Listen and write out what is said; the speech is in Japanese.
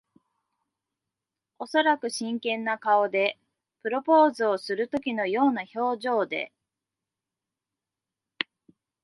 おそらく真剣な顔で。プロポーズをするときのような表情で。